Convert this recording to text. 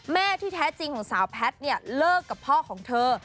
แม่ที่แท้จริงของสาวแพทย์เนี่ยเลิกกับพ่อของเธอ